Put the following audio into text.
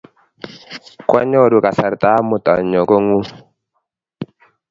Kwanyoru kasarta amut anyon kong'ung'